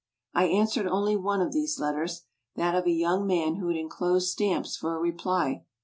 I answered only one of these letters, that of a young man who had enclosed stamps for a reply.